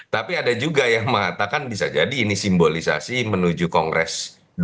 tapi ada juga yang mengatakan bisa jadi ini simbolisasi menuju kongres dua ribu sembilan belas